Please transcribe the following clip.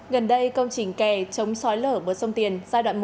gần đây công trình kè chống sói lở bờ sông tiền giai đoạn một